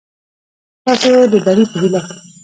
ستاسو د بري په هېله